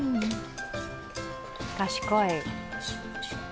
賢い。